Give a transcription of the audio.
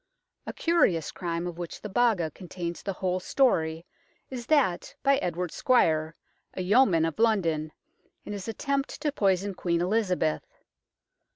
A curious crime of which the Baga contains the whole story is that by Edward Squyer, a yeoman of London, in his attempt to poison Queen Elizabeth.